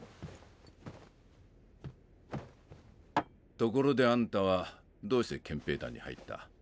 ところであんたはどうして憲兵団に入った？